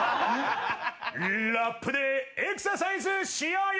ラップでエクササイズしようよ！